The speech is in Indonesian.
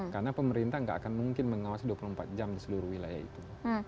karena pemerintah nggak akan mungkin mengawasi dua puluh empat jam di seluruh wilayah itu